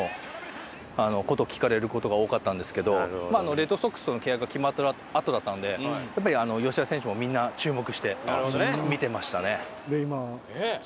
レッドソックスとの契約が決まったあとだったのでやっぱり吉田選手もみんな注目して見てましたね。